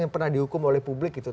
yang pernah dihukum oleh publik gitu